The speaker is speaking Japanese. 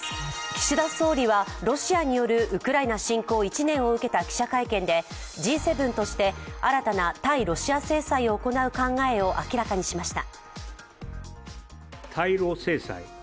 岸田総理はロシアによるウクライナ侵攻１年を受けた記者会見でＧ７として新たな対ロシア制裁を行う考えを明らかにしました。